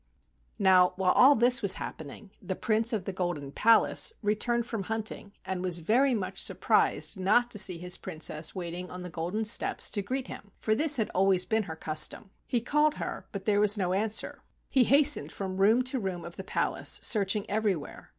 Now while all this was happening, the Prince of the Golden Palace returned from hunting, and was very much surprised not to see his Princess waiting on the golden steps to greet him, for this had always been her custom. He called her, but there was no answer; he hastened from room to room of the palace, searching everywhere.